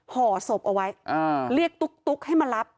ห่อศพเอาไว้เรียกตุ๊กให้มารับ